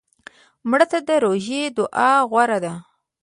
مړه ته د روژې دعا غوره ده